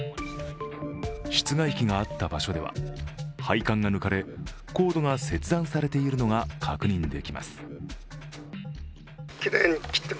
室外機があった場所では、配管が抜かれ、コードが切断されているのが確認できます。